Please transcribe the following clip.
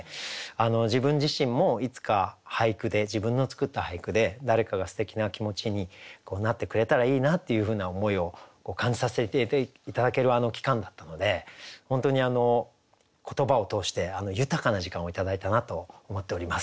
自分自身もいつか俳句で自分の作った俳句で誰かがすてきな気持ちになってくれたらいいなというふうな思いを感じさせて頂ける期間だったので本当に言葉を通して豊かな時間を頂いたなと思っております。